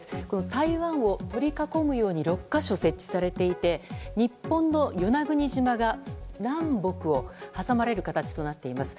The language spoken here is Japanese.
台湾を取り囲むように６か所設置されていて日本の与那国島が南北を挟まれる形となっています。